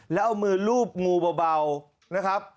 แล้วเอามือลูบงูเบานะครับ